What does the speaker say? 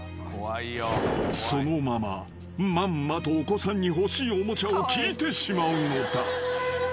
［そのまままんまとお子さんに欲しいおもちゃを聞いてしまうのだ］